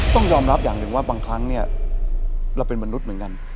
ต้องยอมรับอย่างหนึ่งว่าบางครั้งเนี่ยเราเป็นมนุษย์เหมือนกัน